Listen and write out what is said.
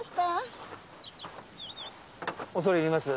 恐れ入ります。